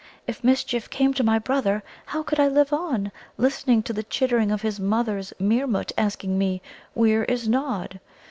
"If mischief came to my brother, how could I live on, listening to the chittering of his mother's Meermut asking me, 'Where is Nod?'